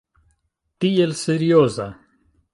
Tiel serioza!